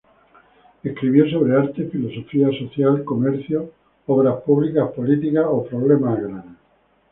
Escribió sobre arte, filosofía social, comercio, obras públicas, política o problemas agrarios.